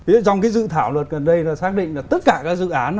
trong cái dự thảo luật gần đây là xác định là tất cả các dự án